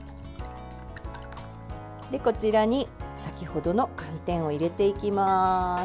こちらに先程の寒天を入れていきます。